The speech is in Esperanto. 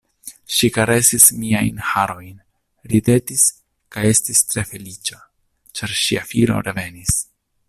Ŝi karesis miajn harojn, ridetis kaj estis tre feliĉa, ĉar ŝia filo revenis.